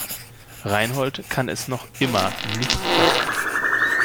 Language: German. Reinhold kann es noch immer nicht fassen.